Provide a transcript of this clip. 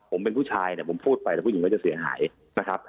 ผมเป็นผู้ชายเนี่ยผมพูดไปแล้วผู้หญิงก็จะเสียหายนะครับ